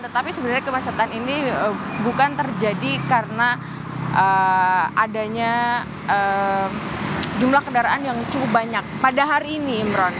tetapi sebenarnya kemacetan ini bukan terjadi karena adanya jumlah kendaraan yang cukup banyak pada hari ini imron